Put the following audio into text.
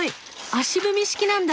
足踏み式なんだ。